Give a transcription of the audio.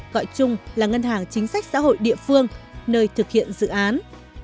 gọi chung là ngân hàng chính sách xã hội địa phương nơi thực hiện dự án